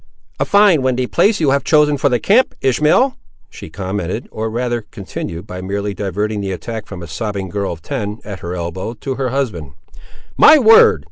"A fine windy place you have chosen for the camp, Ishmael!" she commenced, or rather continued, by merely diverting the attack from a sobbing girl of ten, at her elbow, to her husband. "My word!